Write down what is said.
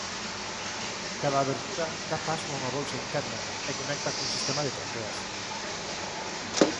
Cada abertura dá paso a unha bolsa interna e conecta cun sistema de traqueas.